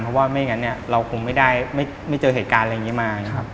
เพราะว่าไม่อย่างนั้นเราคงไม่ได้ไม่เจอเหตุการณ์อะไรอย่างนี้มา